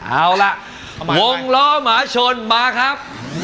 เอาล่ะวงล้อหมาชนมาครับ